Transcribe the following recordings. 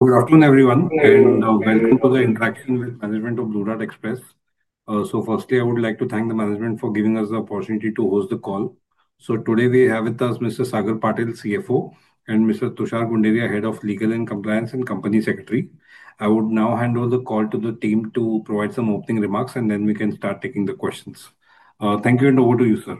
Good afternoon, everyone, and welcome to the interaction with management of Blue Dart Express. Firstly, I would like to thank the management for giving us the opportunity to host the call. Today we have with us Mr. Sagar Patel, CFO, and Mr. Tushar Gunderia, Head of Legal and Compliance and Company Secretary. I would now hand over the call to the team to provide some opening remarks, and then we can start taking the questions. Thank you, and over to you, sir.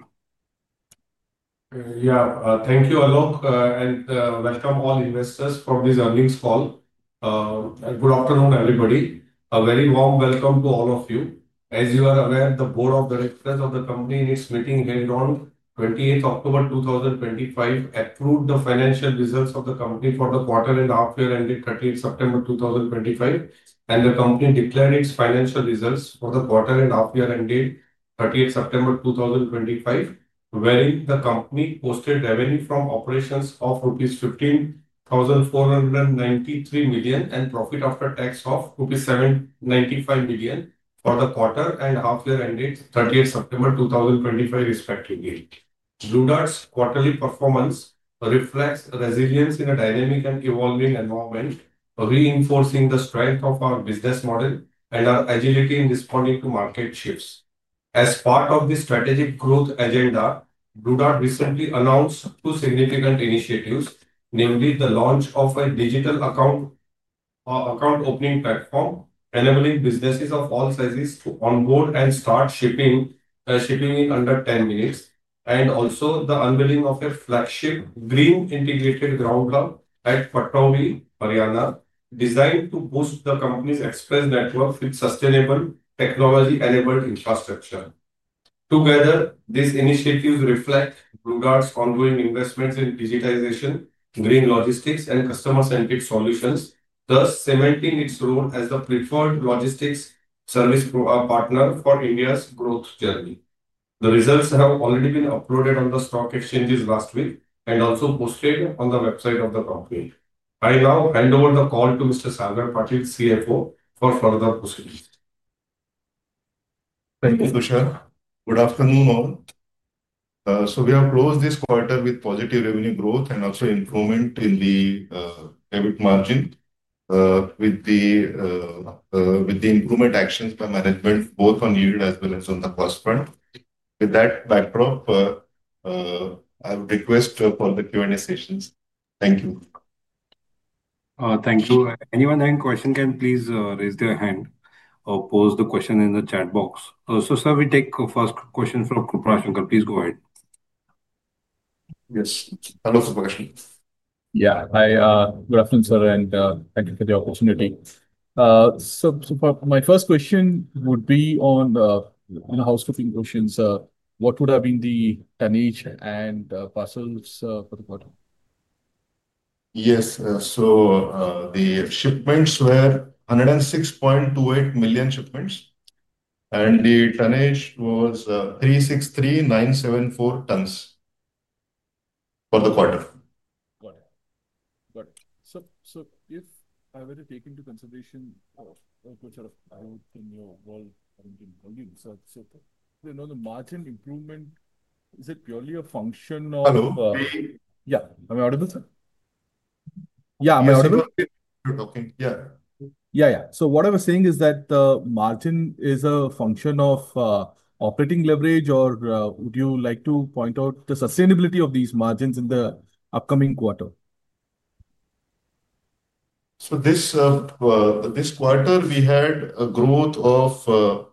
Yeah, thank you all, and welcome all investors for this earnings call. Good afternoon, everybody. A very warm welcome to all of you. As you are aware, the Board of Directors of the company in its meeting held on 28th October 2025 approved the financial results of the company for the quarter and half-year end date 30th September 2025, and the company declared its financial results for the quarter and half-year end date 30th September 2025, wherein the company posted revenue from operations of INR 15,493 million and profit after tax of INR 795 million for the quarter and half-year end date 30th September 2025, respectively. Blue Dart's quarterly performance reflects resilience in a dynamic and evolving environment, reinforcing the strength of our business model and our agility in responding to market shifts. As part of the strategic growth agenda, Blue Dart recently announced two significant initiatives, namely the launch of a digital account opening platform enabling businesses of all sizes to onboard and start shipping in under 10 minutes, and also the unveiling of a flagship Green Integrated Ground Hub at Pataudi, Haryana, designed to boost the company's express network with sustainable technology-enabled infrastructure. Together, these initiatives reflect Blue Dart's ongoing investments in digitization, green logistics, and customer-centric solutions, thus cementing its role as the preferred logistics service partner for India's growth journey. The results have already been uploaded on the stock exchanges last week and also posted on the website of the company. I now hand over the call to Mr. Sagar Patel, CFO, for further proceedings. Thank you, Tushar. Good afternoon, all. We have closed this quarter with positive revenue growth and also improvement in the EBIT margin. With the improvement actions by management, both on yield as well as on the cost front. With that backdrop, I would request for the Q&A sessions. Thank you. Thank you. Anyone having a question can please raise their hand or post the question in the chat box. Sir, we take first question from Krupashankar. Please go ahead. Yes. Hello to the question. Yeah. hi. Good afternoon, sir, and thank you for the opportunity. My first question would be on housekeeping questions. What would have been the tonnage and parcels for the quarter? Yes, so the shipments were 106.28 million shipments, and the tonnage was 363,974 tons. For the quarter. Got it. Got it. If I were to take into consideration what sort of growth in your world, the margin improvement, is it purely a function of. Hello? Yeah, am I audible, sir? Yeah, am I audible? You're talking. Yeah. Yeah, yeah. What I was saying is that the margin is a function of operating leverage, or would you like to point out the sustainability of these margins in the upcoming quarter? This quarter, we had a growth of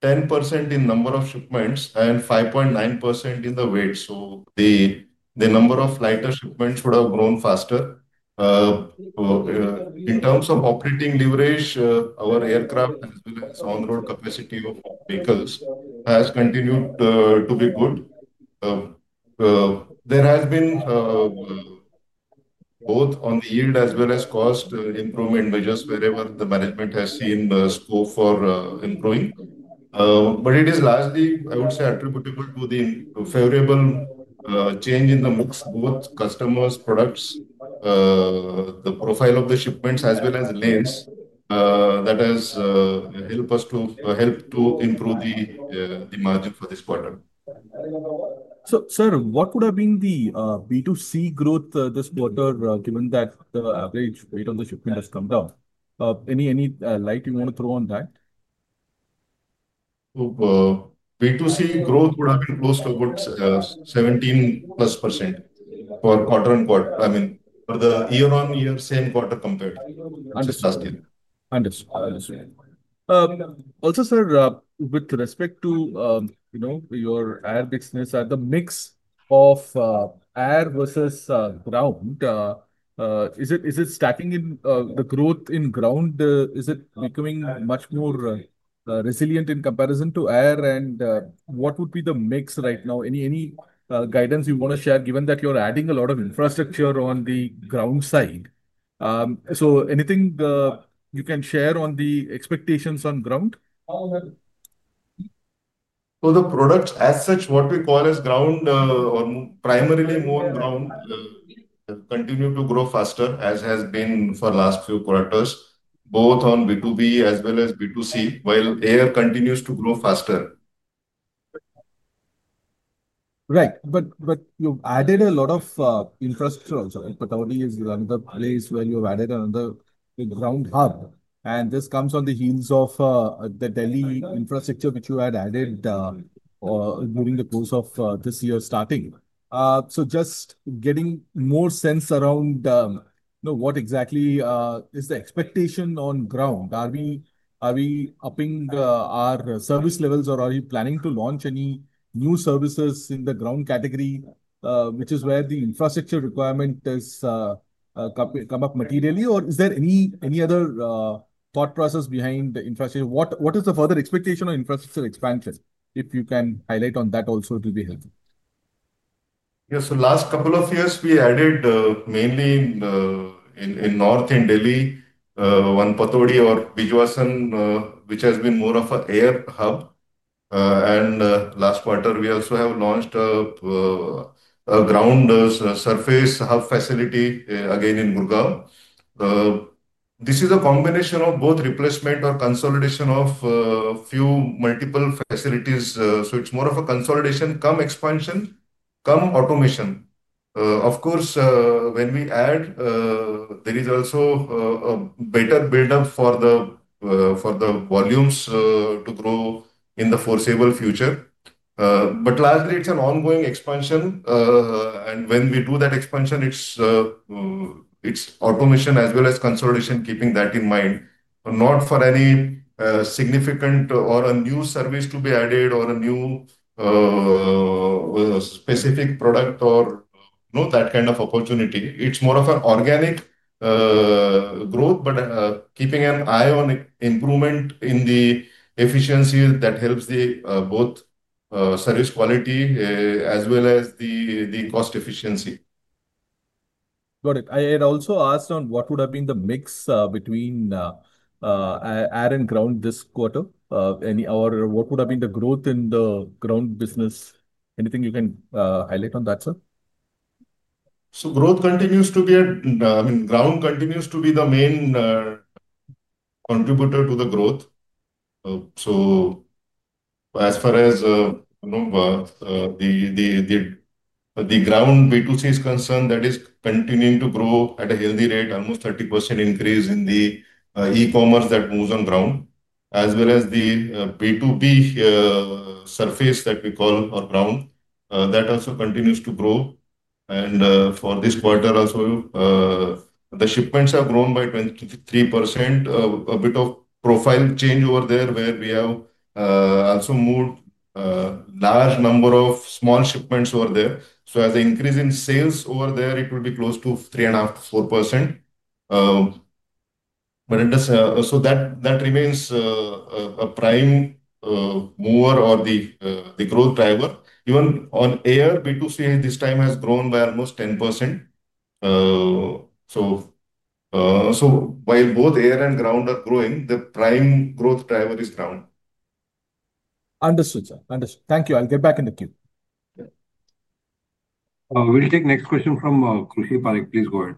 10% in number of shipments and 5.9% in the weight. The number of lighter shipments should have grown faster. In terms of operating leverage, our aircraft as well as on-road capacity of vehicles has continued to be good. There has been both on the yield as well as cost improvement measures wherever the management has seen scope for improving. It is largely, I would say, attributable to the favorable change in the mix of both customers' products. The profile of the shipments as well as lanes has helped us to improve the margin for this quarter. Sir, what would have been the B2C growth this quarter, given that the average weight on the shipment has come down? Any light you want to throw on that? B2C growth would have been close to about 17%+ for quarter and quarter. I mean, for the year-on-year same quarter compared to last year. Understood. Understood. Also, sir, with respect to your air mixness, the mix of air versus ground, is it stacking in the growth in ground? Is it becoming much more resilient in comparison to air? What would be the mix right now? Any guidance you want to share, given that you're adding a lot of infrastructure on the ground side? Anything you can share on the expectations on ground? For the products as such, what we call as ground or primarily more on ground, continue to grow faster, as has been for the last few quarters, both on B2B as well as B2C, while air continues to grow faster. Right. But you've added a lot of infrastructure. Pataudi is another place where you've added another ground hub. This comes on the heels of the Delhi infrastructure, which you had added during the course of this year starting. Just getting more sense around what exactly is the expectation on ground. Are we upping our service levels, or are you planning to launch any new services in the ground category, which is where the infrastructure requirement has come up materially, or is there any other thought process behind the infrastructure? What is the further expectation on infrastructure expansion? If you can highlight on that also, it will be helpful. Yeah, so last couple of years, we added mainly in north in Delhi. One Pataudi or Bijwasan, which has been more of an air hub. Last quarter, we also have launched a ground surface hub facility again in Gurgaon. This is a combination of both replacement or consolidation of a few multiple facilities. It is more of a consolidation, come expansion, come automation. Of course, when we add, there is also a better build-up for the volumes to grow in the foreseeable future. Largely, it is an ongoing expansion. When we do that expansion, it is automation as well as consolidation, keeping that in mind. Not for any significant or a new service to be added or a new specific product or that kind of opportunity. It is more of an organic growth, but keeping an eye on improvement in the efficiencies that helps both service quality as well as the cost efficiency. Got it. I had also asked on what would have been the mix between air and ground this quarter. What would have been the growth in the ground business? Anything you can highlight on that, sir? Growth continues to be a, I mean, ground continues to be the main contributor to the growth. As far as the ground B2C is concerned, that is continuing to grow at a healthy rate, almost 30% increase in the e-commerce that moves on ground, as well as the B2B surface that we call or ground, that also continues to grow. For this quarter also, the shipments have grown by 23%. A bit of profile change over there where we have also moved a large number of small shipments over there. As the increase in sales over there, it will be close to 3.5%-4%. That remains a prime mover or the growth driver. Even on air, B2C this time has grown by almost 10%. While both air and ground are growing, the prime growth driver is ground. Understood, sir. Understood. Thank you. I'll get back in the queue. We'll take next question from Krushee Parik. Please go ahead.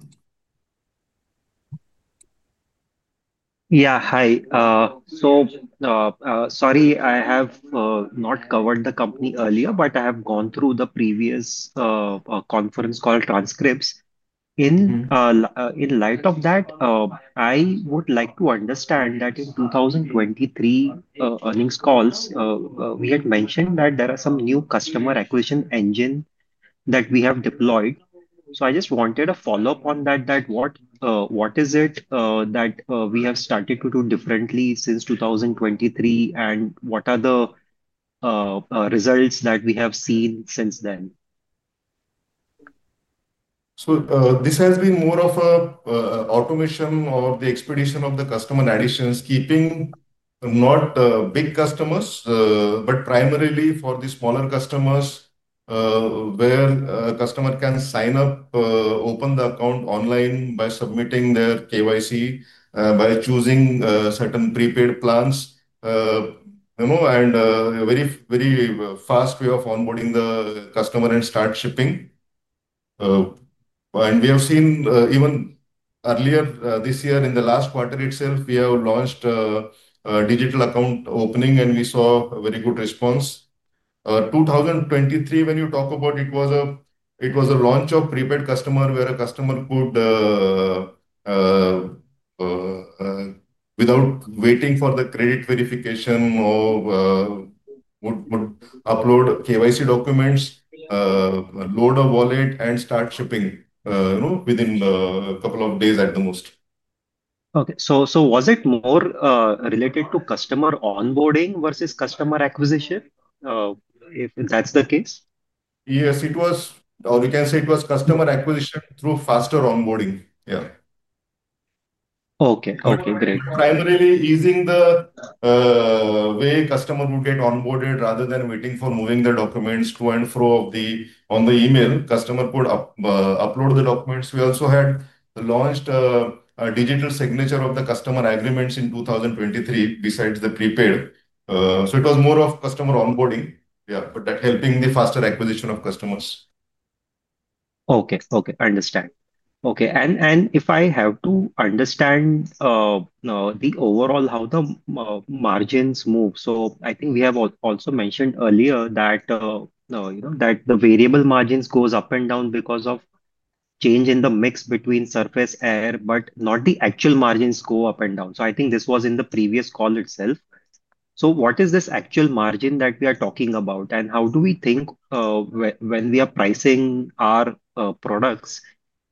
Yeah, hi. Sorry, I have not covered the company earlier, but I have gone through the previous conference call transcripts. In light of that, I would like to understand that in 2023 earnings calls, we had mentioned that there are some new customer acquisition engines that we have deployed. I just wanted a follow-up on that. What is it that we have started to do differently since 2023, and what are the results that we have seen since then? This has been more of an automation of the expedition of the customer additions, keeping not big customers, but primarily for the smaller customers. Where a customer can sign up, open the account online by submitting their KYC, by choosing certain prepaid plans. A very fast way of onboarding the customer and start shipping. We have seen even earlier this year, in the last quarter itself, we have launched a digital account opening, and we saw a very good response. In 2023, when you talk about it, it was a launch of prepaid customer where a customer could, without waiting for the credit verification or upload KYC documents, load a wallet and start shipping within a couple of days at the most. Okay. So was it more related to customer onboarding versus customer acquisition? If that's the case? Yes, it was, or we can say it was customer acquisition through faster onboarding. Yeah. Okay. Okay. Great. Primarily easing the way customer would get onboarded rather than waiting for moving the documents through and through on the email. Customer could upload the documents. We also had launched a digital signature of the customer agreements in 2023 besides the prepaid. It was more of customer onboarding. Yeah, but that helping the faster acquisition of customers. Okay. Okay. Understand. Okay. If I have to understand the overall how the margins move, I think we have also mentioned earlier that the variable margins go up and down because of change in the mix between surface, air, but not the actual margins go up and down. I think this was in the previous call itself. What is this actual margin that we are talking about, and how do we think when we are pricing our products?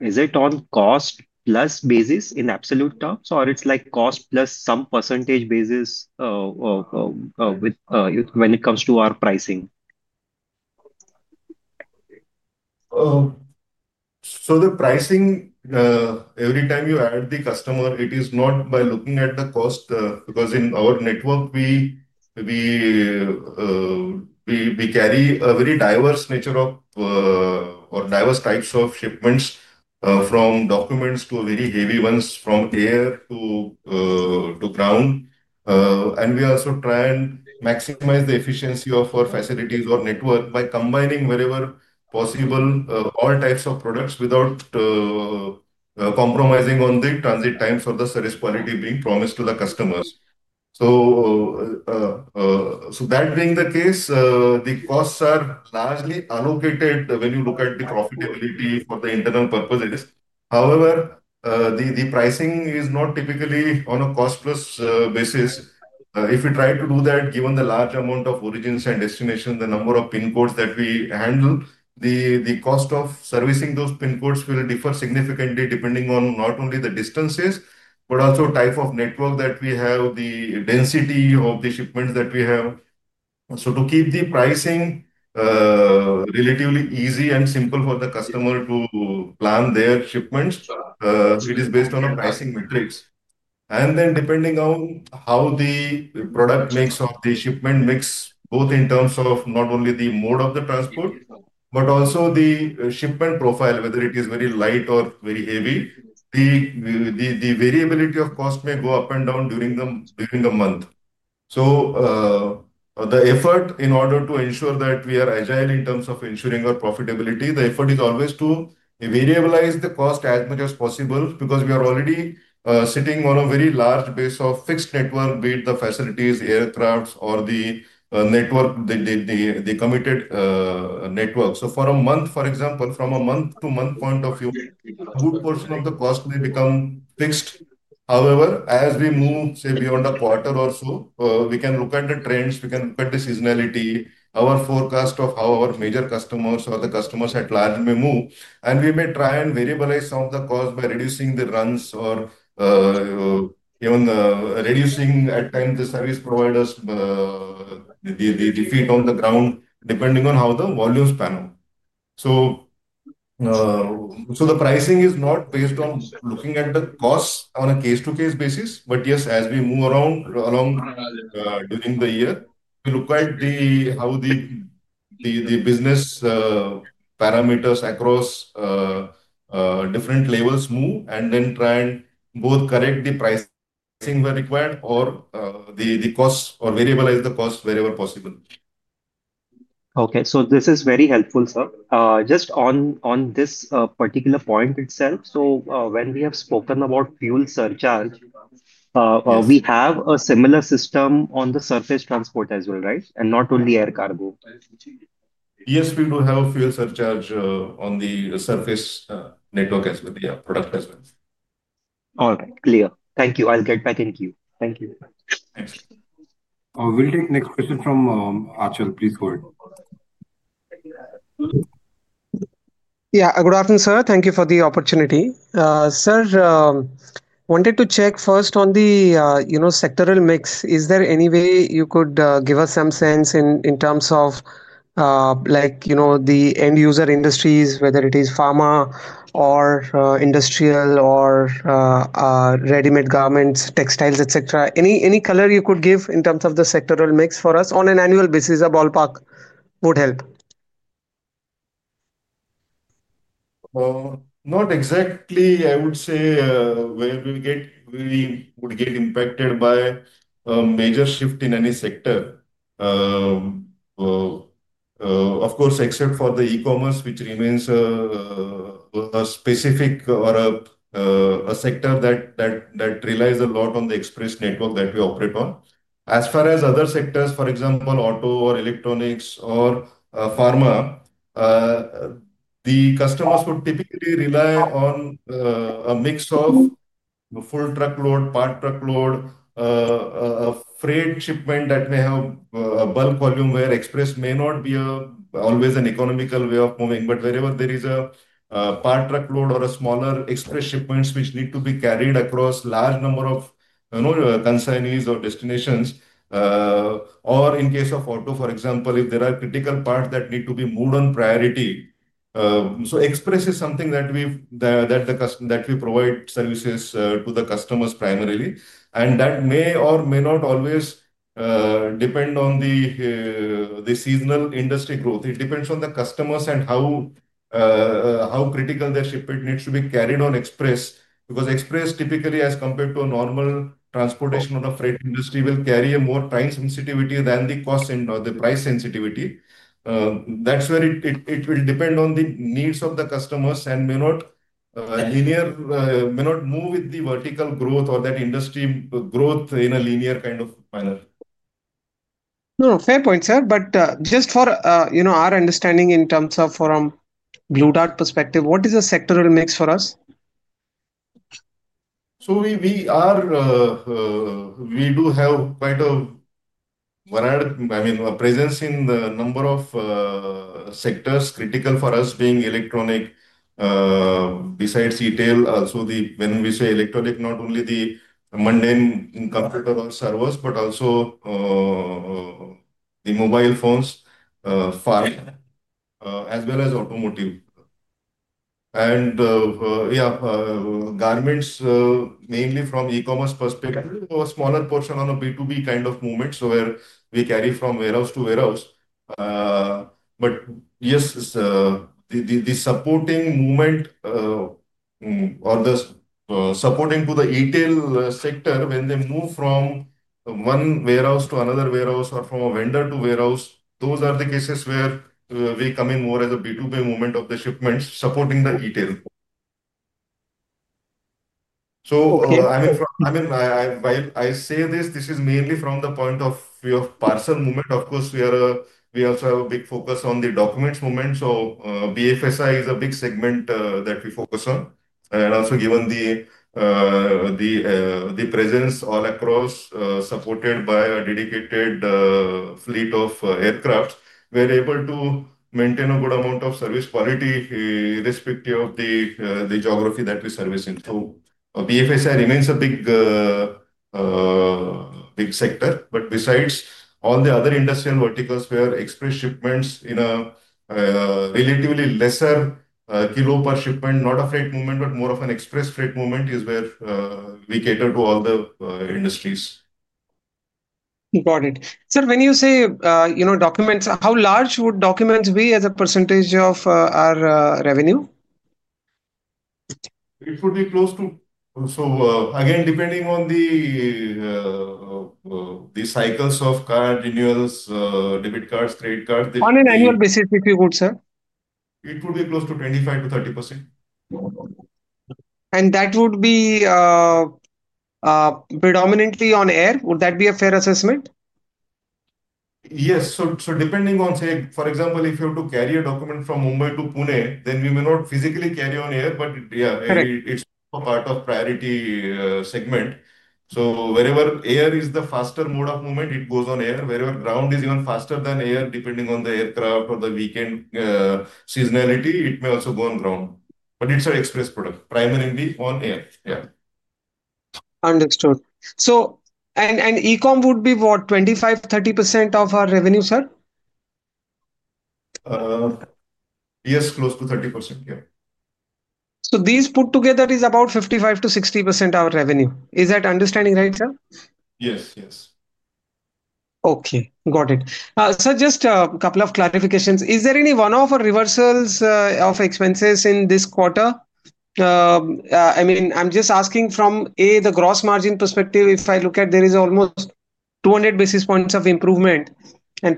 Is it on cost-plus basis in absolute terms, or it's like cost-plus some percentage basis when it comes to our pricing? The pricing. Every time you add the customer, it is not by looking at the cost, because in our network, we carry a very diverse nature of, or diverse types of shipments from documents to very heavy ones, from air to ground. We also try and maximize the efficiency of our facilities or network by combining wherever possible all types of products without compromising on the transit times or the service quality being promised to the customers. That being the case, the costs are largely allocated when you look at the profitability for the internal purposes. However, the pricing is not typically on a cost-plus basis. If we try to do that, given the large amount of origins and destinations, the number of pin codes that we handle, the cost of servicing those pin codes will differ significantly depending on not only the distances, but also the type of network that we have, the density of the shipments that we have. To keep the pricing relatively easy and simple for the customer to plan their shipments, it is based on a pricing matrix. Then depending on how the product makes up, the shipment mix, both in terms of not only the mode of the transport, but also the shipment profile, whether it is very light or very heavy, the variability of cost may go up and down during the month. The effort in order to ensure that we are agile in terms of ensuring our profitability, the effort is always to variabilize the cost as much as possible because we are already sitting on a very large base of fixed network, be it the facilities, aircraft, or the committed network. For a month, for example, from a month-to-month point of view, a good portion of the cost may become fixed. However, as we move, say, beyond a quarter or so, we can look at the trends, we can look at the seasonality, our forecast of how our major customers or the customers at large may move, and we may try and variabilize some of the costs by reducing the runs or even reducing at times the service providers' feet on the ground, depending on how the volumes pan out. The pricing is not based on looking at the costs on a case-to-case basis, but yes, as we move along during the year, we look at how the business parameters across different levels move and then try and both correct the pricing where required or the cost or variabilize the cost wherever possible. Okay. This is very helpful, sir. Just on this particular point itself, when we have spoken about fuel surcharge, we have a similar system on the surface transport as well, right? Not only air cargo. Yes, we do have a fuel surcharge on the surface network as well, yeah, product as well. All right. Clear. Thank you. I'll get back in queue. Thank you. Thanks. We'll take next question from Achal. Please go ahead. Yeah. Good afternoon, sir. Thank you for the opportunity. Sir, wanted to check first on the sectoral mix. Is there any way you could give us some sense in terms of the end user industries, whether it is pharma or industrial or ready-made garments, textiles, etc.? Any color you could give in terms of the sectoral mix for us on an annual basis? A ballpark would help. Not exactly, I would say. Where we would get impacted by a major shift in any sector. Of course, except for the e-commerce, which remains a specific or a sector that relies a lot on the express network that we operate on. As far as other sectors, for example, auto or electronics or pharma, the customers would typically rely on a mix of full truckload, part truckload, a freight shipment that may have a bulk volume where express may not be always an economical way of moving. Wherever there is a part truckload or a smaller express shipment which need to be carried across a large number of consignees or destinations, or in case of auto, for example, if there are critical parts that need to be moved on priority, express is something that we provide services to the customers primarily. That may or may not always depend on the seasonal industry growth. It depends on the customers and how critical their shipment needs to be carried on express. Because express, typically, as compared to a normal transportation or a freight industry, will carry more time sensitivity than the cost and the price sensitivity. That is where it will depend on the needs of the customers and may not be linear, may not move with the vertical growth or that industry growth in a linear kind of manner. No, fair point, sir. Just for our understanding, in terms of from Blue Dart perspective, what is a sectoral mix for us? We do have quite a presence in the number of sectors critical for us being electronic. Besides retail, also when we say electronic, not only the mundane computer or servers, but also the mobile phones as well as automotive. Yeah, garments, mainly from e-commerce perspective, a smaller portion on a B2B kind of movement where we carry from warehouse-to-warehouse. Yes, the supporting movement or the supporting to the retail sector when they move from one warehouse to another warehouse or from a vendor to warehouse, those are the cases where we come in more as a B2B movement of the shipments supporting the retail. I mean, while I say this, this is mainly from the point of view of parcel movement. Of course, we also have a big focus on the documents movement. BFSI is a big segment that we focus on. Also, given the presence all across supported by a dedicated fleet of aircraft, we are able to maintain a good amount of service quality irrespective of the geography that we service in. BFSI remains a big sector. Besides all the other industrial verticals where express shipments in a relatively lesser kilo per shipment, not a freight movement, but more of an express freight movement is where we cater to all the industries. Got it. Sir, when you say documents, how large would documents be as a percentage of our revenue? It would be close to, so again, depending on the cycles of card renewals, debit cards, credit cards. On an annual basis, if you could, sir. It would be close to 25%-30%. That would be predominantly on air. Would that be a fair assessment? Yes. So depending on, say, for example, if you have to carry a document from Mumbai to Pune, then we may not physically carry on air, but yeah, it's a part of priority segment. Wherever air is the faster mode of movement, it goes on air. Wherever ground is even faster than air, depending on the aircraft or the weekend, seasonality, it may also go on ground. It's an express product, primarily on air. Yeah. Understood. E-com would be what, 25%-30% of our revenue, sir? Yes, close to 30%. Yeah. These put together is about 55%-60% of our revenue. Is that understanding right, sir? Yes. Yes. Okay. Got it. Sir, just a couple of clarifications. Is there any one-off or reversals of expenses in this quarter? I mean, I'm just asking from, A, the gross margin perspective, if I look at, there is almost 200 basis points of improvement.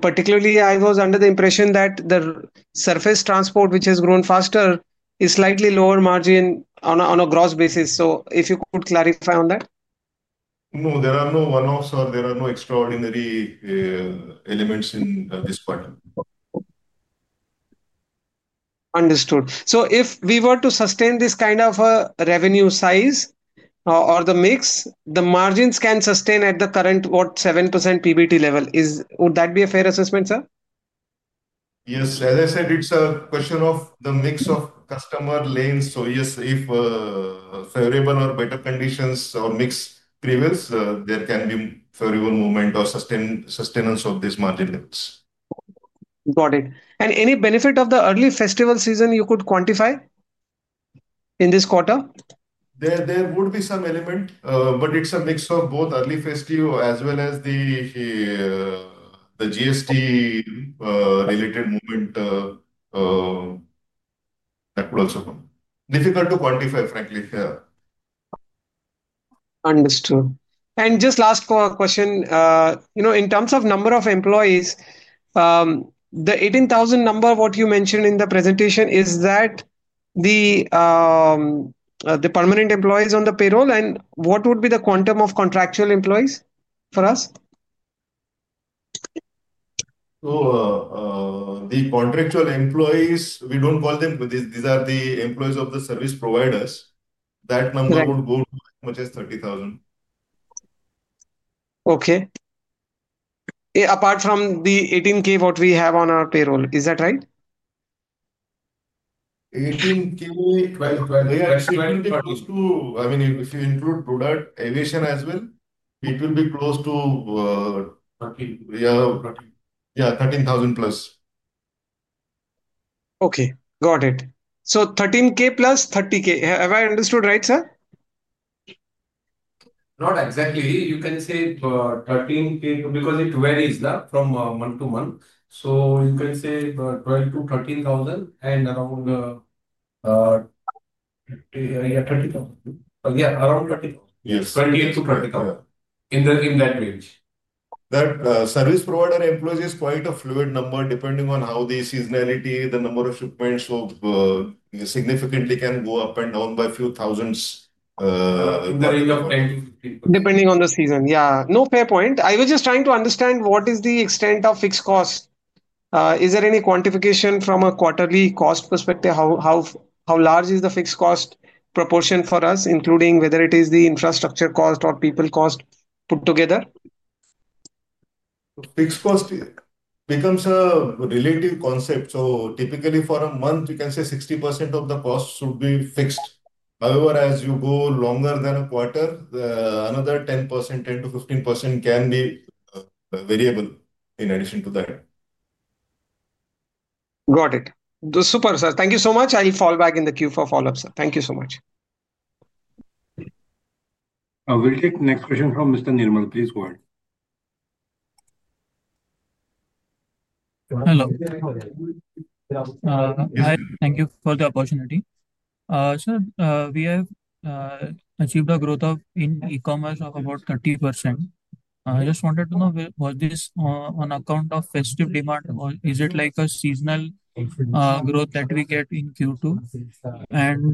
Particularly, I was under the impression that the surface transport, which has grown faster, is slightly lower margin on a gross basis. If you could clarify on that. No, there are no one-offs or there are no extraordinary elements in this quarter. Understood. If we were to sustain this kind of a revenue size or the mix, the margins can sustain at the current, what, 7% PBT level. Would that be a fair assessment, sir? Yes. As I said, it's a question of the mix of customer lanes. So yes, if favorable or better conditions or mix prevails, there can be favorable movement or sustenance of these margin levels. Got it. Any benefit of the early festival season you could quantify in this quarter? There would be some element, but it's a mix of both early festive as well as the GST-related movement. That would also come. Difficult to quantify, frankly. Yeah. Understood. Just last question. In terms of number of employees, the 18,000 number, what you mentioned in the presentation, is that the permanent employees on the payroll? What would be the quantum of contractual employees for us? The contractual employees, we don't call them, but these are the employees of the service providers. That number would go to as much as 30,000. Okay. Apart from the 18,000, what we have on our payroll, is that right? 18K, 20,000. I mean, if you include Blue Dart Aviation as well, it will be close to, yeah, 13,000+. Okay. Got it. So 13,000+, 30,000. Have I understood right, sir? Not exactly. You can say 13,000 because it varies from month to month. You can say 12,000-13,000 and around. Yeah, 30,000. Yeah, around 30,000. Yes. 20,000-30,000 in that range. That service provider employees is quite a fluid number depending on how the seasonality, the number of shipments significantly can go up and down by a few thousand. In the range of 10-15. Depending on the season. Yeah. No, fair point. I was just trying to understand what is the extent of fixed cost. Is there any quantification from a quarterly cost perspective? How large is the fixed cost proportion for us, including whether it is the infrastructure cost or people cost put together? Fixed cost becomes a relative concept. Typically, for a month, you can say 60% of the cost should be fixed. However, as you go longer than a quarter, another 10%-15% can be variable in addition to that. Got it. Super, sir. Thank you so much. I'll fall back in the queue for follow-up, sir. Thank you so much. We'll take next question from Mr. Nirmal. Please go ahead. Hello. Thank you for the opportunity. Sir, we have achieved a growth in e-commerce of about 30%. I just wanted to know, was this on account of festive demand or is it like a seasonal growth that we get in Q2?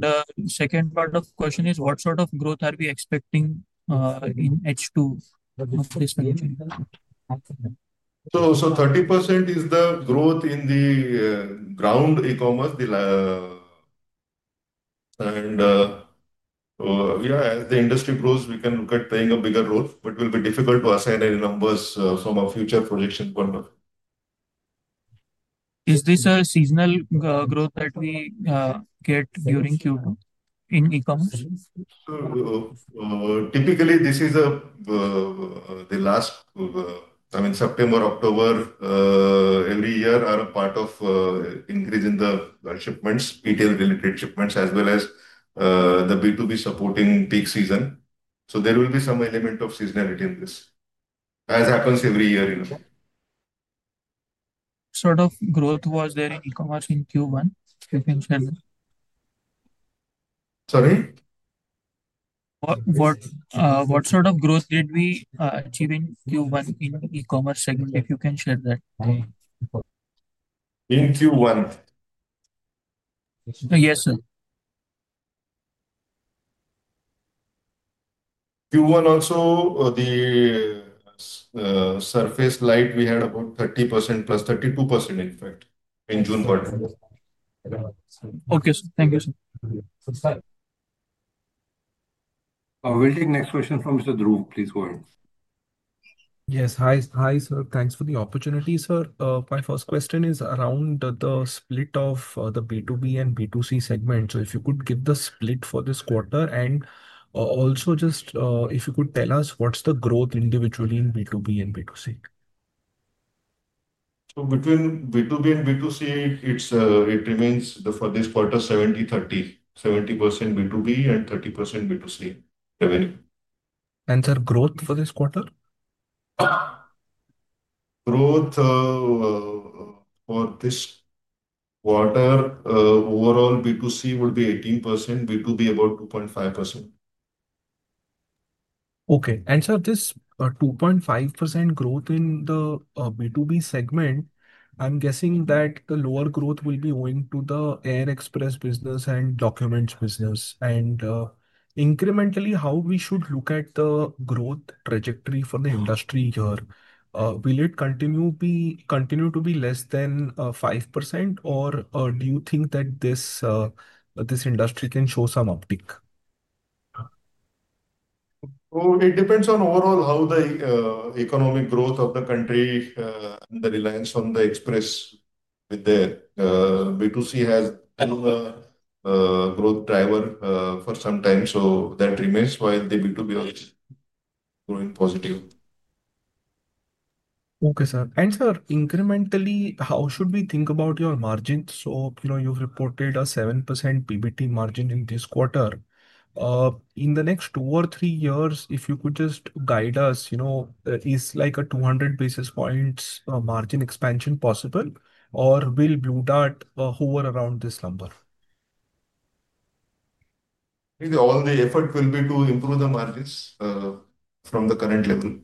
The second part of the question is, what sort of growth are we expecting in H2 of this? 30% is the growth in the ground e-commerce. Yeah, as the industry grows, we can look at paying a bigger growth, but it will be difficult to assign any numbers from a future projection point of view. Is this a seasonal growth that we get during Q2 in e-commerce? Typically, this is the last. I mean, September, October, every year are a part of increase in the shipments, retail-related shipments as well as the B2B supporting peak season. There will be some element of seasonality in this, as happens every year. Sort of growth was there in e-commerce in Q1? If you can share that. Sorry? What sort of growth did we achieve in Q1 in e-commerce segment? If you can share that. In Q1? Yes, sir. Q1 also, the Surfaceline we had about 30%+, 32%, in fact, in June quarter. Okay, sir. Thank you, sir. We'll take next question from Mr. Dhruv. Please go ahead. Yes. Hi, sir. Thanks for the opportunity, sir. My first question is around the split of the B2B and B2C segment. If you could give the split for this quarter and also just if you could tell us what's the growth individually in B2B and B2C. Between B2B and B2C, it remains for this quarter 70/30, 70% B2B and 30% B2C revenue. Sir, growth for this quarter? Growth. For this quarter, overall B2C would be 18%, B2B about 2.5%. Okay. Sir, this 2.5% growth in the B2B segment, I'm guessing that the lower growth will be going to the air express business and documents business. Incrementally, how should we look at the growth trajectory for the industry here? Will it continue to be less than 5%, or do you think that this industry can show some uptick? It depends on overall how the economic growth of the country and the reliance on the express with the B2C has been. A growth driver for some time. That remains while the B2B growing positive. Okay, sir. And sir, incrementally, how should we think about your margin? So you've reported a 7% PBT margin in this quarter. In the next two or three years, if you could just guide us, is like a 200 basis points margin expansion possible, or will Blue Dart hover around this number? All the effort will be to improve the margins from the current level.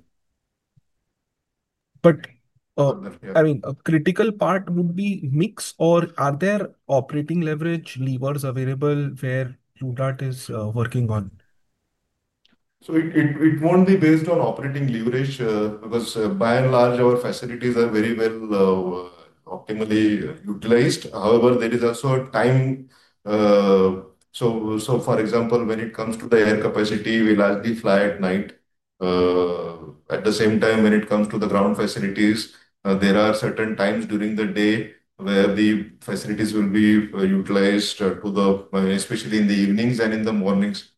I mean, a critical part would be mix, or are there operating leverage levers available where Blue Dart is working on? It won't be based on operating leverage because by and large, our facilities are very well, optimally utilized. However, there is also a time. For example, when it comes to the air capacity, we largely fly at night. At the same time, when it comes to the ground facilities, there are certain times during the day where the facilities will be utilized, especially in the evenings and in the mornings.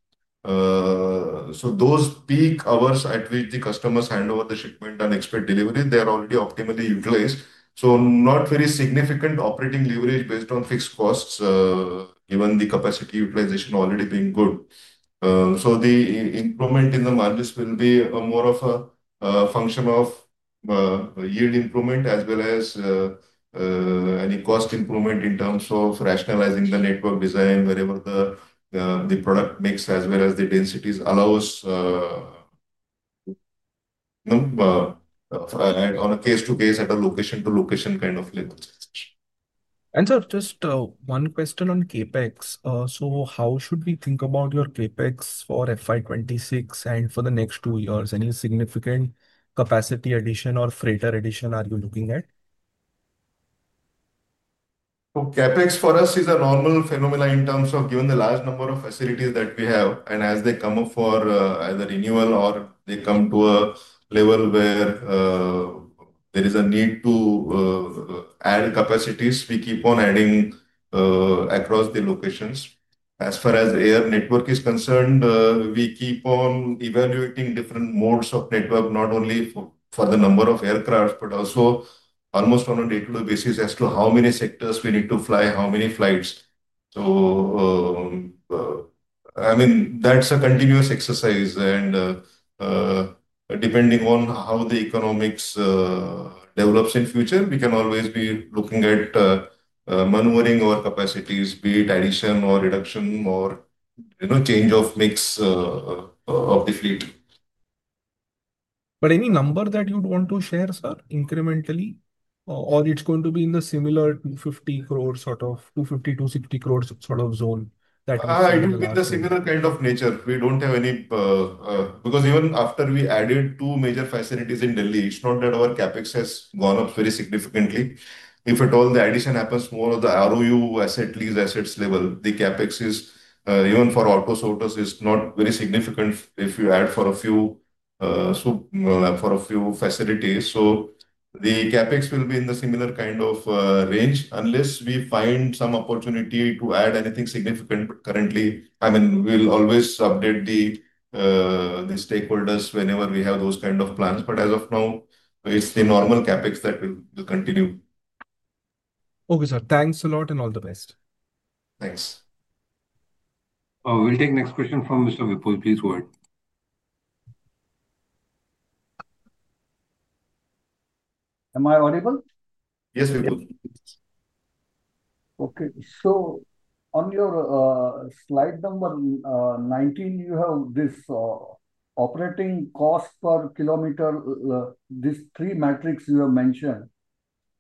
Those peak hours at which the customers hand over the shipment and expect delivery, they are already optimally utilized. Not very significant operating leverage based on fixed costs, given the capacity utilization already being good. The improvement in the margins will be more of a function of yield improvement as well as any cost improvement in terms of rationalizing the network design, wherever the product mix as well as the densities allows, on a case-to-case at a location-to-location kind of level. Sir, just one question on CapEx. How should we think about your CapEx for FY 2026 and for the next two years? Any significant capacity addition or freighter addition are you looking at? CapEx for us is a normal phenomenon in terms of given the large number of facilities that we have. As they come up for either renewal or they come to a level where there is a need to add capacities, we keep on adding across the locations. As far as air network is concerned, we keep on evaluating different modes of network, not only for the number of aircraft, but also almost on a day-to-day basis as to how many sectors we need to fly, how many flights. I mean, that's a continuous exercise. Depending on how the economics develops in future, we can always be looking at manoeuvring our capacities, be it addition or reduction or change of mix of the fleet. Any number that you'd want to share, sir, incrementally? Or it's going to be in the similar 2.5 billion-2.6 billion sort of zone that. It will be the similar kind of nature. We do not have any. Because even after we added two major facilities in Delhi, it is not that our CapEx has gone up very significantly. If at all, the addition happens more at the ROU asset lease assets level. The CapEx is, even for auto-sorters, not very significant if you add for a few facilities. So the CapEx will be in the similar kind of range unless we find some opportunity to add anything significant currently. I mean, we will always update the stakeholders whenever we have those kind of plans. As of now, it is the normal CapEx that will continue. Okay, sir. Thanks a lot and all the best. Thanks. We'll take next question from Mr. Vipul, please go ahead. Am I audible? Yes, Vipul. Okay. So on your slide number 19, you have this operating cost per kilometer. These three metrics you have mentioned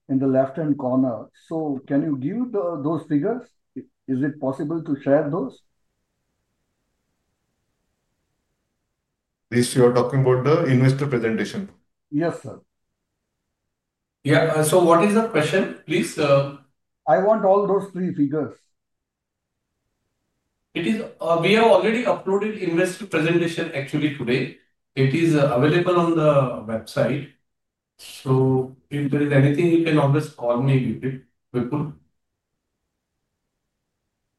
in the left-hand corner. So can you give those figures? Is it possible to share those? Please, you are talking about the investor presentation? Yes, sir. Yeah. What is the question, please? I want all those three figures. We have already uploaded the investor presentation actually today. It is available on the website. If there is anything, you can always call me, Vipul.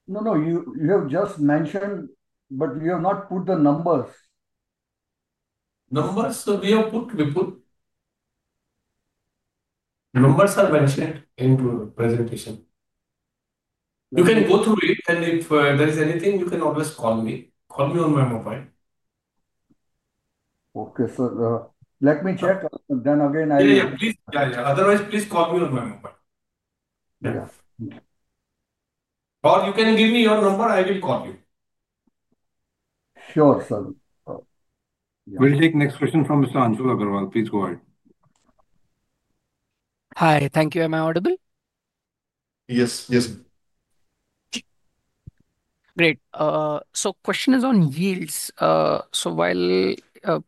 No, no. You have just mentioned, but you have not put the numbers. Numbers? We have put, Vipul. Numbers are mentioned in the presentation. You can go through it. If there is anything, you can always call me. Call me on my mobile. Okay, sir. Let me check. Then again, I. Yeah, yeah. Please. Otherwise, please call me on my mobile. Yeah. Or you can give me your number. I will call you. Sure, sir. We'll take next question from Mr. Anshul Agrawal. Please go ahead. Hi. Thank you. Am I audible? Yes, yes. Great. Question is on yields.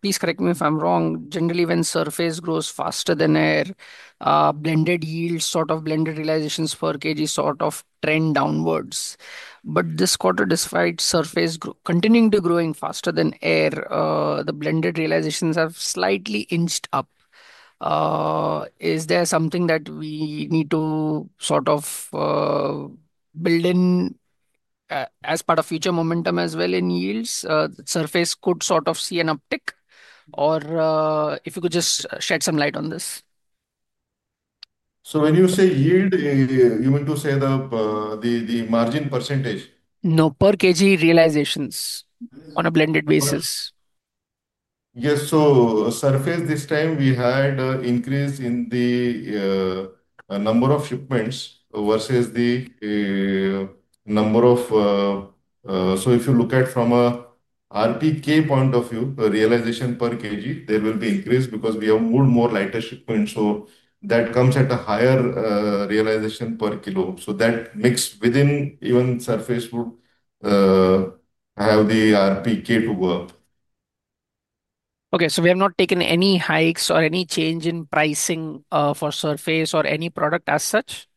Please correct me if I'm wrong. Generally, when surface grows faster than air, blended yields, sort of blended realizations per kg, sort of trend downwards. This quarter, despite surface continuing to grow faster than air, the blended realizations have slightly inched up. Is there something that we need to sort of build in as part of future momentum as well in yields? Surface could sort of see an uptick. If you could just shed some light on this. When you say yield, you mean to say the margin percentage? No, per kg realizations on a blended basis. Yes. Surface this time, we had an increase in the number of shipments versus the number of. If you look at it from an RPK point of view, the realization per kg, there will be an increase because we have moved more lighter shipments. That comes at a higher realization per kilo. That mix within even surface would have the RPK to work. Okay. So we have not taken any hikes or any change in pricing for surface or any product as such?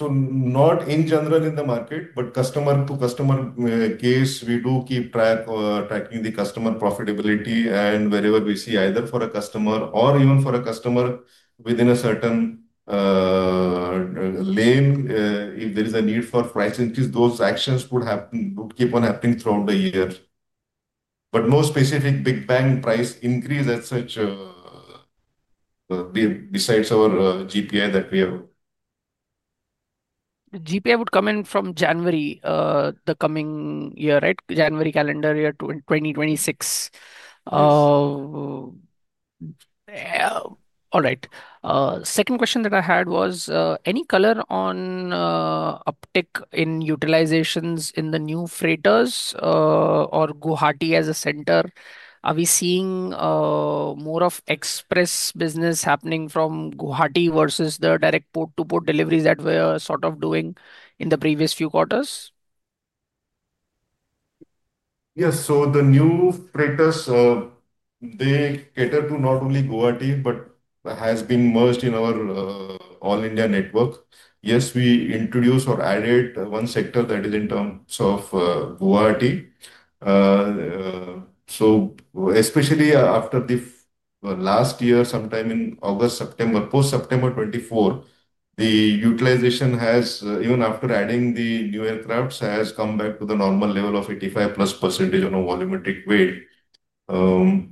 Not in general in the market, but customer to customer case, we do keep tracking the customer profitability. Wherever we see either for a customer or even for a customer within a certain lane, if there is a need for price increase, those actions would keep on happening throughout the year. No specific big bang price increase as such, besides our GPI that we have. The GPI would come in from January, the coming year, right? January calendar year 2026. All right. Second question that I had was, any color on uptick in utilizations in the new freighters or Guwahati as a center? Are we seeing more of express business happening from Guwahati versus the direct port-to-port deliveries that we were sort of doing in the previous few quarters? Yes. The new freighters, they cater to not only Guwahati, but have been merged in our all India network. Yes, we introduced or added one sector that is in terms of Guwahati. Especially after last year, sometime in August, September, post-September 2024, the utilization has, even after adding the new aircraft, come back to the normal level of 85%+ on a volumetric way. The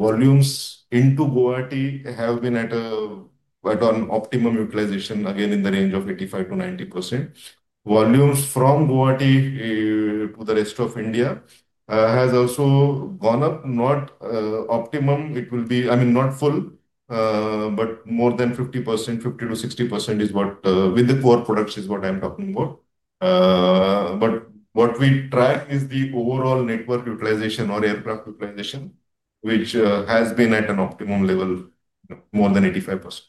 volumes into Guwahati have been at an optimum utilization, again, in the range of 85%-90%. Volumes from Guwahati to the rest of India have also gone up. Not optimum. It will be, I mean, not full, but more than 50%, 50%-60% is what, with the core products, is what I'm talking about. What we track is the overall network utilization or aircraft utilization, which has been at an optimum level, more than 85%.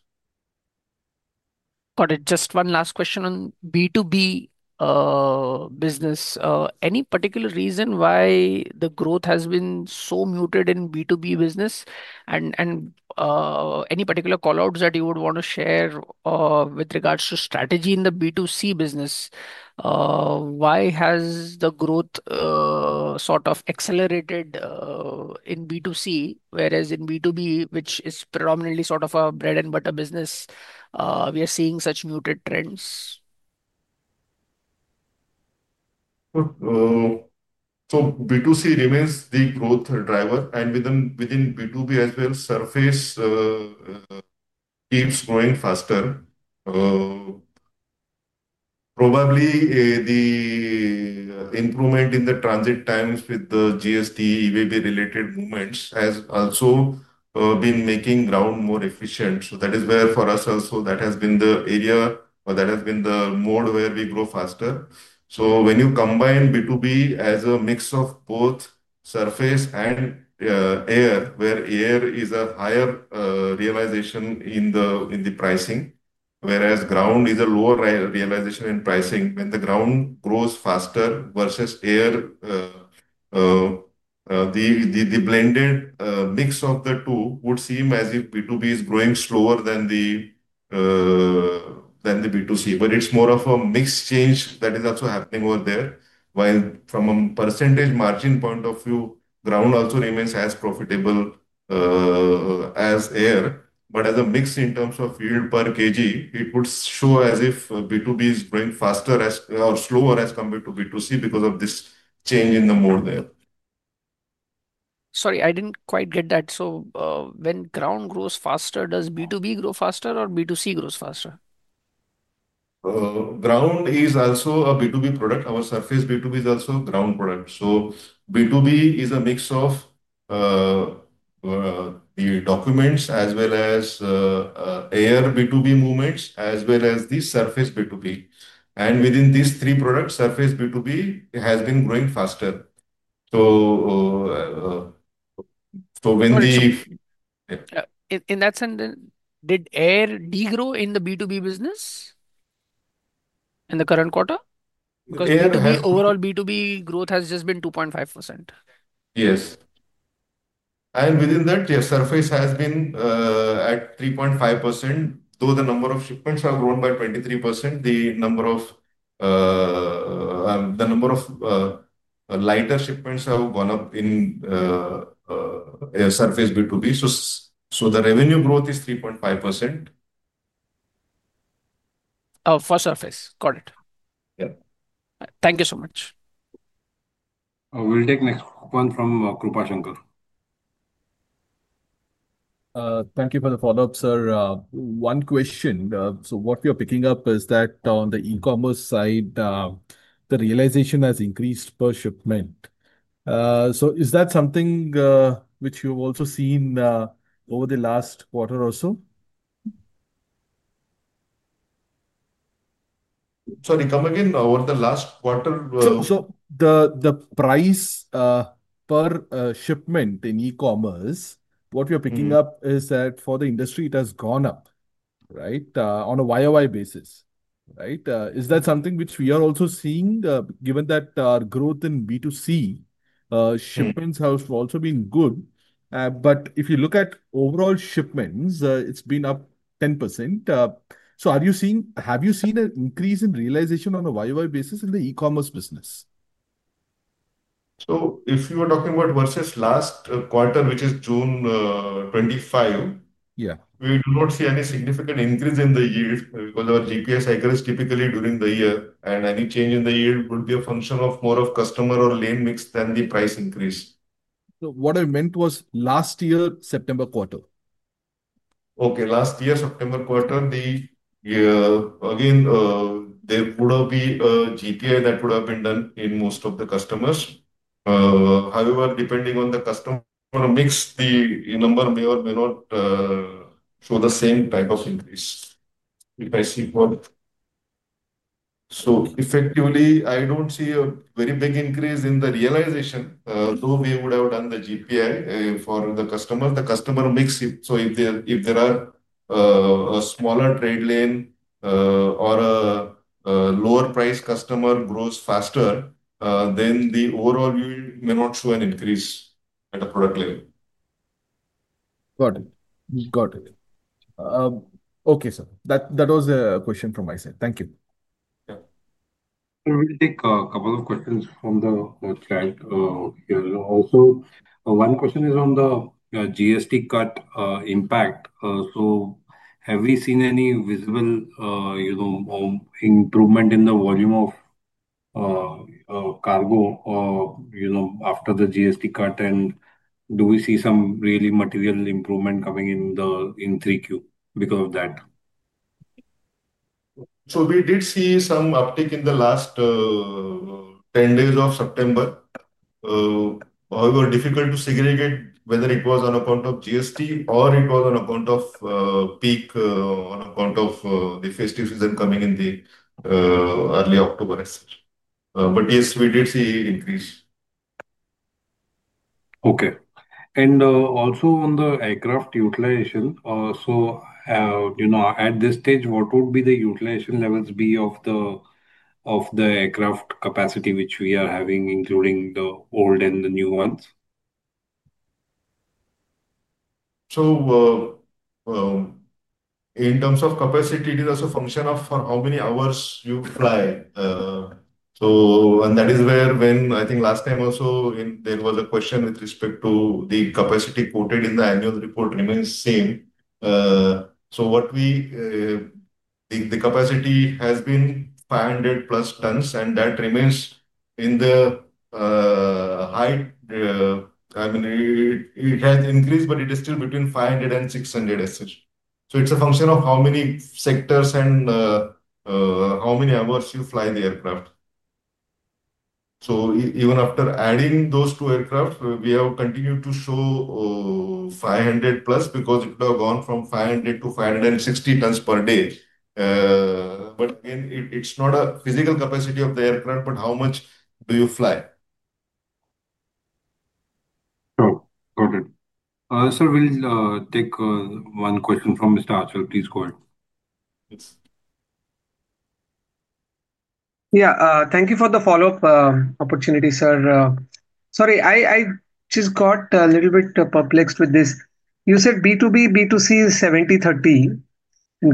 Got it. Just one last question on B2B business. Any particular reason why the growth has been so muted in B2B business? Any particular callouts that you would want to share with regards to strategy in the B2C business? Why has the growth sort of accelerated in B2C, whereas in B2B, which is predominantly sort of a bread-and-butter business, we are seeing such muted trends? B2C remains the growth driver. Within B2B as well, surface keeps growing faster. Probably the improvement in the transit times with the GST, EWB-related movements has also been making ground more efficient. That is where for us also, that has been the area, or that has been the mode where we grow faster. When you combine B2B as a mix of both surface and air, where air is a higher realization in the pricing, whereas ground is a lower realization in pricing, when the ground grows faster versus air, the blended mix of the two would seem as if B2B is growing slower than the B2C. It is more of a mix change that is also happening over there. While from a percentage margin point of view, ground also remains as profitable as air. As a mix in terms of yield per kg, it would show as if B2B is growing faster or slower as compared to B2C because of this change in the mode there. Sorry, I didn't quite get that. So when ground grows faster, does B2B grow faster or B2C grows faster? Ground is also a B2B product. Our surface B2B is also a ground product. B2B is a mix of the documents as well as air B2B movements as well as the surface B2B. Within these three products, surface B2B has been growing faster. When the. In that sense, did air degrow in the B2B business in the current quarter? Because overall B2B growth has just been 2.5%. Yes. Within that, surface has been at 3.5%. Though the number of shipments have grown by 23%, the number of lighter shipments have gone up in surface B2B. The revenue growth is 3.5%. For surface. Got it. Yeah. Thank you so much. We'll take next one from Krupashankar. Thank you for the follow-up, sir. One question. What we are picking up is that on the e-commerce side, the realization has increased per shipment. Is that something which you've also seen over the last quarter or so? Sorry, come again? Over the last quarter? The price per shipment in e-commerce, what we are picking up is that for the industry, it has gone up, right, on a YoY basis, right? Is that something which we are also seeing, given that our growth in B2C shipments have also been good? If you look at overall shipments, it's been up 10%. Have you seen an increase in realization on a YoY basis in the e-commerce business? If you are talking about versus last quarter, which is June 2025, we do not see any significant increase in the yield because our GPI cycle is typically during the year. Any change in the yield would be a function of more of customer or lane mix than the price increase. What I meant was last year, September quarter. Okay. Last year, September quarter, there would have been a GPI that would have been done in most of the customers. However, depending on the customer mix, the number may or may not show the same type of increase. If I see for, so effectively, I don't see a very big increase in the realization. Though we would have done the GPI for the customer, the customer mix it. If there are a smaller trade lane or a lower price customer grows faster, then the overall yield may not show an increase at a product level. Got it. Got it. Okay, sir. That was a question from my side. Thank you. Yeah. We'll take a couple of questions from the chat here. Also, one question is on the GST cut impact. Have we seen any visible improvement in the volume of cargo after the GST cut? Do we see some really material improvement coming in 3Q because of that? We did see some uptick in the last 10 days of September. However, it is difficult to segregate whether it was on account of GST or it was on account of peak on account of the festive season coming in early October as such. Yes, we did see increase. Okay. Also, on the aircraft utilization, at this stage, what would be the utilization levels of the aircraft capacity which we are having, including the old and the new ones? In terms of capacity, it is also a function of how many hours you fly. That is where, when, I think last time also, there was a question with respect to the capacity quoted in the annual report remains same. What we, the capacity has been 500+ tons, and that remains in the high. I mean, it has increased, but it is still between 500 and 600 as such. It is a function of how many sectors and how many hours you fly the aircraft. Even after adding those two aircraft, we have continued to show 500+ because it would have gone from 500-560 tons per day. Again, it is not a physical capacity of the aircraft, but how much do you fly? Got it. Sir, we'll take one question from Mr. Achal. Please go ahead. Yes. Yeah. Thank you for the follow-up opportunity, sir. Sorry, I just got a little bit perplexed with this. You said B2B, B2C is 70/30.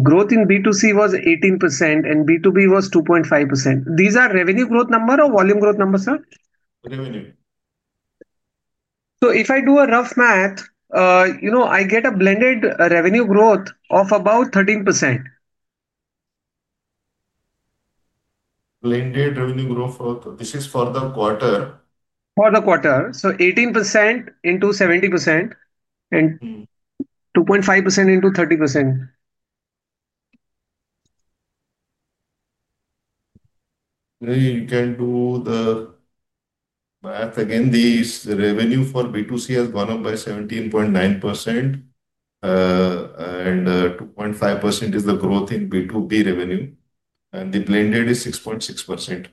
Growth in B2C was 18%, and B2B was 2.5%. These are revenue growth numbers or volume growth numbers, sir? Revenue. If I do a rough math, I get a blended revenue growth of about 13%. Blended revenue growth, this is for the quarter. For the quarter. 18% into 70%. 2.5% into 30%. You can do the math again. The revenue for B2C has gone up by 17.9%. 2.5% is the growth in B2B revenue. The blended is 6.6%.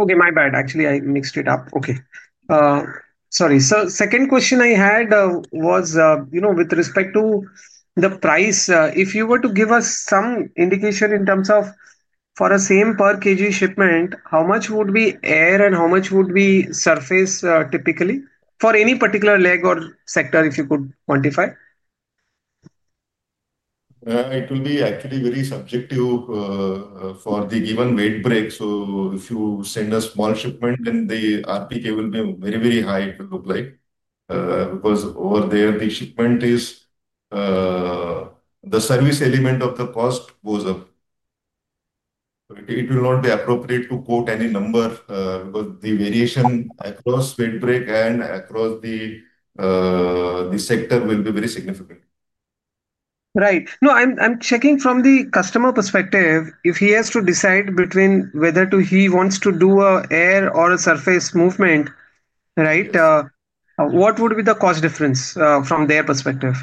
Okay. My bad. Actually, I mixed it up. Okay. Sorry. The second question I had was, with respect to the price, if you were to give us some indication in terms of for a same per kg shipment, how much would be air and how much would be surface typically for any particular leg or sector, if you could quantify? It will be actually very subjective. For the given weight break, if you send a small shipment, then the RP cable may be very, very high, it will look like. Because over there, the shipment is, the service element of the cost goes up. It will not be appropriate to quote any number because the variation across weight break and across the sector will be very significant. Right. No, I'm checking from the customer perspective. If he has to decide between whether he wants to do an air or a surface movement, right. What would be the cost difference from their perspective?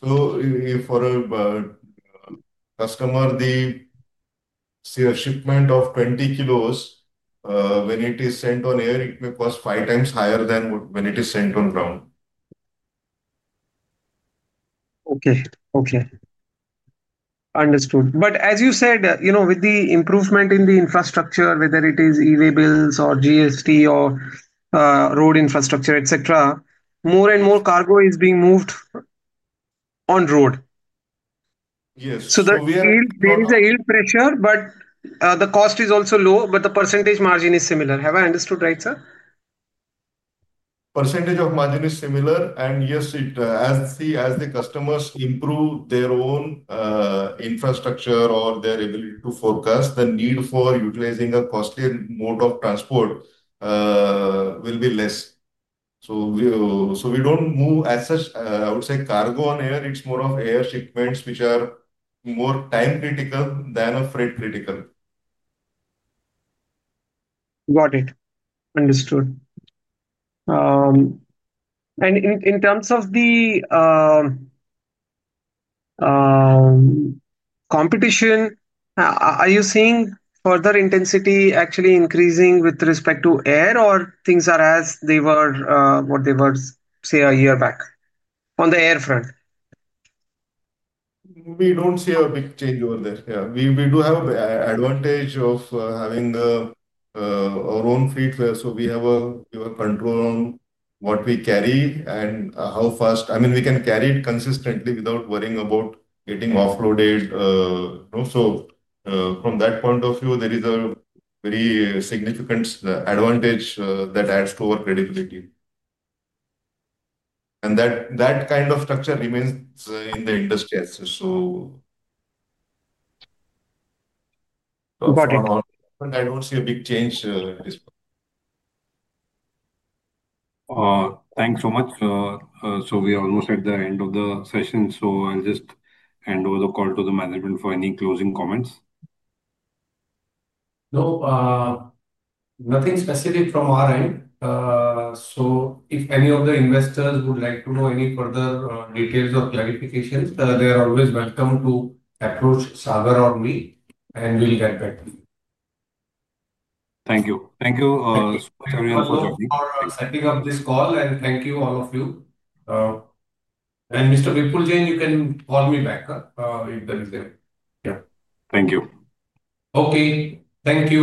For a customer, the shipment of 20 kg, when it is sent on air, it may cost five times higher than when it is sent on ground. Okay. Okay. Understood. As you said, with the improvement in the infrastructure, whether it is E-way bills or GST or road infrastructure, etc., more and more cargo is being moved on road. Yes. There is a yield pressure, but the cost is also low, but the percentage margin is similar. Have I understood right, sir? Percentage of margin is similar. Yes, as the customers improve their own infrastructure or their ability to forecast, the need for utilizing a costlier mode of transport will be less. We do not move as such, I would say, cargo on air. It is more of air shipments which are more time critical than freight critical. Got it. Understood. In terms of the competition, are you seeing further intensity actually increasing with respect to air, or things are as they were, what they were, say, a year back on the airfront? We don't see a big change over there. Yeah. We do have an advantage of having our own freight fare. So we have a control on what we carry and how fast. I mean, we can carry it consistently without worrying about getting offloaded. From that point of view, there is a very significant advantage that adds to our credibility. That kind of structure remains in the industry as such. Got it. I don't see a big change at this point. Thanks so much. We are almost at the end of the session. I'll just hand over the call to the management for any closing comments. No. Nothing specific from our end. If any of the investors would like to know any further details or clarifications, they are always welcome to approach Sagar or me, and we'll get back to you. Thank you. Thank you so much for joining. Thank you for setting up this call, and thank you all of you. Mr. Vipul Jain, you can call me back if that is there. Yeah. Thank you. Okay. Thank you.